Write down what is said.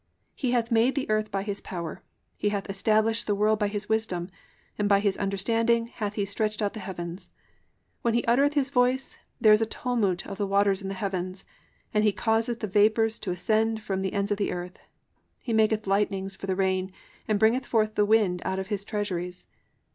(12) He hath made the earth by his power, he hath established the world by his wisdom, and by his understanding hath he stretched out the heavens. (13) When he uttereth his voice, there is a tumult of waters in the heavens, and he causeth the vapours to ascend from the ends of the earth; he maketh lightnings for the rain, and bringeth forth the wind out of his treasuries.